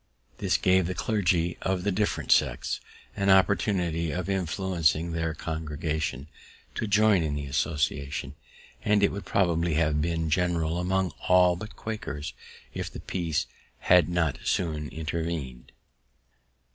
This gave the clergy of the different sects an opportunity of influencing their congregations to join in the association, and it would probably have been general among all but Quakers if the peace had not soon interven'd.